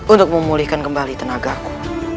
untuk memulihkan kembali tenagaku